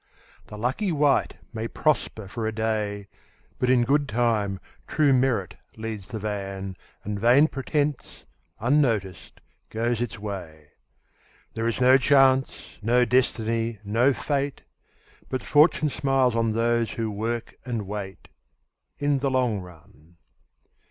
The lucky wight may prosper for a day, But in good time true merit leads the van And vain pretence, unnoticed, goes its way. There is no Chance, no Destiny, no Fate, But Fortune smiles on those who work and wait, In the long run.